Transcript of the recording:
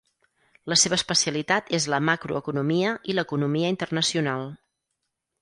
La seva especialitat és la macroeconomia i l'economia internacional.